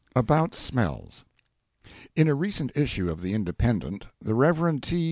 ABOUT SMELLS In a recent issue of the "Independent," the Rev. T.